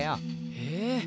へえ。